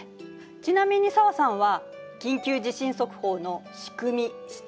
ちなみに紗和さんは緊急地震速報の仕組み知ってる？